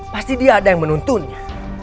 pasti dia ada yang menuntunnya